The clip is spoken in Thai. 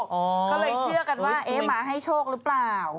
ก็เลยเชื่อกันว่าเอ๊ะมาให้โชคหรือเปล่า